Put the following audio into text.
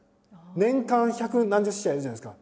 年間百何十試合やるじゃないですか。